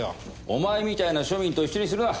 お前みたいな庶民と一緒にするな！